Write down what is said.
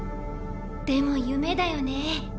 でも夢だよね。